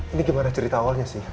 ini gimana cerita awalnya sih